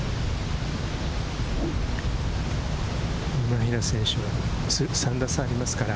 今平選手は３打差ありますから。